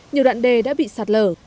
nhiều đoạn đê đã bị sạt lở